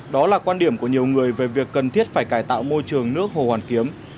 đó là quan điểm của nhiều người về việc cần thiết phải cải tạo môi trường nước hồ hoàn kiếm